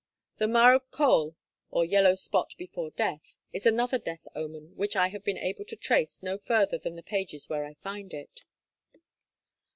The marw coel, or 'yellow spot before death,' is another death omen which I have been able to trace no further than the pages where I find it.